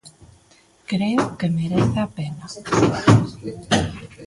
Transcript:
Creo que merece a pena.